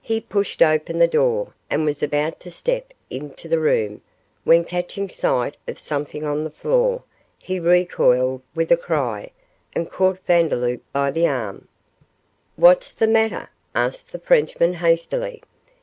He pushed open the door, and was about to step into the room, when catching sight of something on the floor, he recoiled with a cry, and caught Vandeloup by the arm. 'What's the matter?' asked the Frenchman, hastily.